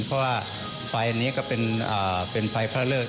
เพราะว่าไฟอันนี้ก็เป็นไฟพระเลิก